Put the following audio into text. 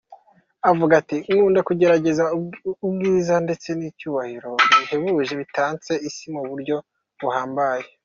Avuga ati "nkunda kugerageza ubwiza ndetse n'icyubahiro bihebuje bitatse Isi mu buryo buhambaye.